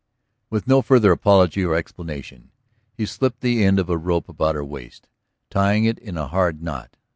With no further apology or explanation he slipped the end of a rope about her waist, tying it in a hard knot.